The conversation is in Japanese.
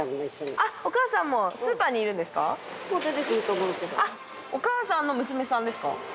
あっお母さんの娘さんですか？